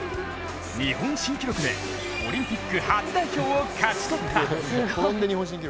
日本新記録でオリンピック初代表を勝ち取った。